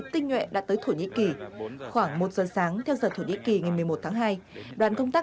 tinh nhuệ đã tới thổ nhĩ kỳ khoảng một giờ sáng theo giờ thổ nhĩ kỳ ngày một mươi một tháng hai đoàn công tác